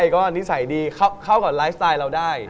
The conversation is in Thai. ก็นิสัยดีเข้ากับไลฟ์สไตล์เราได้